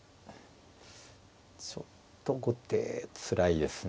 ちょっと後手つらいですね。